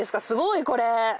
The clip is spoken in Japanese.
すごいこれ！